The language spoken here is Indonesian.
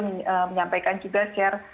menyampaikan juga share